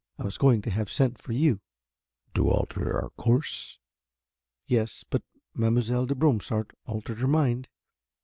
I was going to have sent for you." "To alter our course?" "Yes, but Mademoiselle de Bromsart altered her mind.